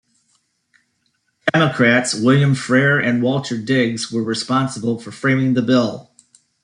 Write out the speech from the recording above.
Democrats William Frere and Walter Digges were responsible for framing the bill.